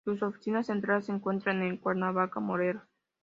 Sus oficinas centrales se encuentran en Cuernavaca, Morelos.